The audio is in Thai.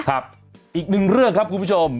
อีกหนึ่งเรื่องครับคุณผู้ชม